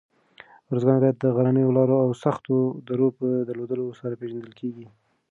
اروزګان ولایت د غرنیو لاره او سختو درو په درلودلو سره پېژندل کېږي.